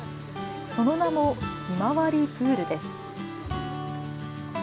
その名もひまわりプールです。